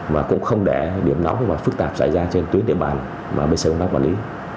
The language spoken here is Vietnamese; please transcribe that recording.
và cũng không để điểm nóng và phức tạp xảy ra trên tuyến địa bàn mà bc tám bảo lý